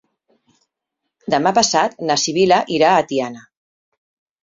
Demà passat na Sibil·la irà a Tiana.